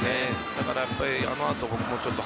だから、あの後僕もちょっと